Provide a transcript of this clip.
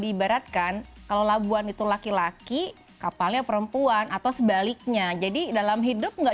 diibaratkan kalau labuan itu laki laki kapalnya perempuan atau sebaliknya jadi dalam hidup enggak